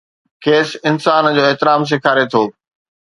کيس انسان جو احترام سيکاري ٿو.